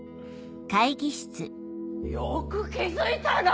よく気付いたな！